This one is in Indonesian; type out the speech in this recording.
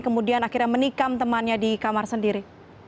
kemudian akhirnya menikam temannya di kamar sendiri